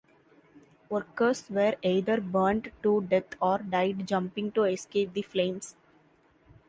Workers were either burned to death or died jumping to escape the flames.